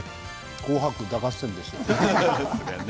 紅白歌合戦ですよ。